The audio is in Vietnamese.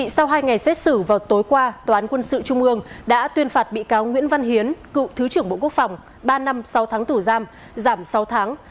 sau hai ngày xét xử vào tối qua tqcm đã tuyên phạt bị cáo nguyễn văn hiến cựu thứ trưởng bộ quốc phòng ba năm sáu tháng tử giam giảm sáu tháng